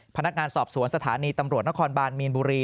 พนักงานสอบสวนสถานีตำรวจนครบานมีนบุรี